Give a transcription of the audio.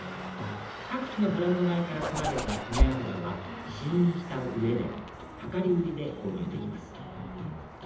各地のブランド米から取られた米油は試飲した上で量り売りで購入できます